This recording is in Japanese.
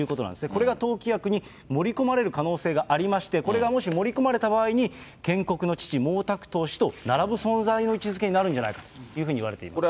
これが党規約に盛り込まれる可能性がありまして、これがもし盛り込まれた場合に、建国の父、毛沢東氏と並ぶ存在の位置づけになるんじゃないかといわれています。